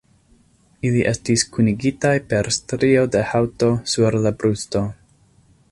Ili estis kunigitaj per strio de haŭto sur la brusto.